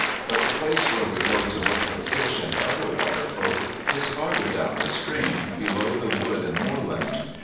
But the place where we go to look for fish and other water folk is farther down the stream, below the wood and moorland.